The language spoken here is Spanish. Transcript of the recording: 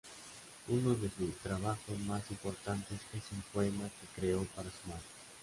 Uno de su trabajos más importantes es un poema que creó para su madre.